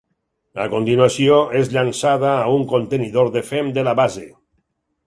A continuació és llançada a un contenidor de fem de la base.